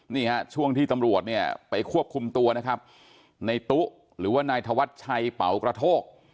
นี่ฮะช่วงที่ตำรวจเนี่ยไปควบคุมตัวนะครับในตู้หรือว่านายธวัชชัยเป๋ากระโทก